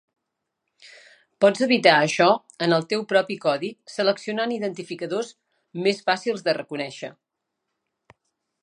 Pots evitar això en el teu propi codi seleccionant identificadors més fàcils de reconèixer.